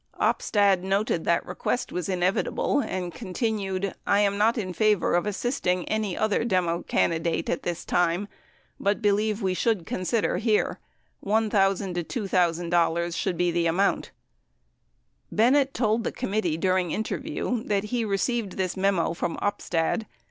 Opstad noted that request was inevitable and continued, "I am not in favor of assisting any other Demo candidate at this time, but believe we should consider here. $1,000 $2,000 should be the amount. ..." 91 Bennett told the committee during interview that he received this memo from Opstad.